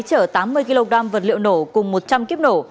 chở tám mươi kg vật liệu nổ cùng một trăm linh kíp nổ